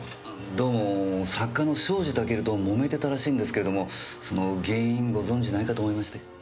どうも作家の庄司タケルと揉めてたらしいんですけれどもその原因ご存じないかと思いまして。